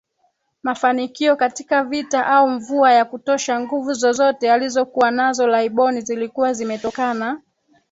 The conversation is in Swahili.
mafanikio katika vita au mvua ya kutosha Nguvu zozote alizokuwa nazo laibon zilikuwa zimetokana